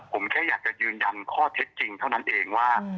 ผมแค่อยากจะยืนยันข้อเท็จจริงเท่านั้นเองว่า